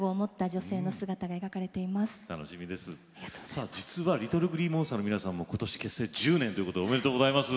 さあ実はＬｉｔｔｌｅＧｌｅｅＭｏｎｓｔｅｒの皆さんも今年結成１０年ということでおめでとうございます。